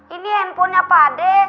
ini handphonenya pade